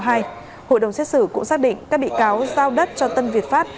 hội đồng xét xử cũng xác định các bị cáo giao đất cho tân việt pháp